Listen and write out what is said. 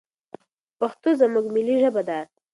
پښتو زموږ ملي ژبه ده.